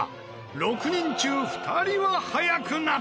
６人中２人は速くなった。